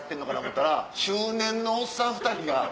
思ったら中年のおっさん２人が。